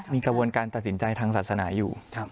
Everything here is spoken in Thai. มีกระบวนการตัดสินใจทางศาสนาอยู่